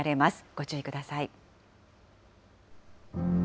ご注意ください。